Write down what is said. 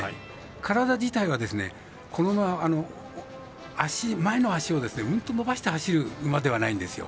体自体は、この馬は前の足をうんと伸ばして走る馬ではないんですよ。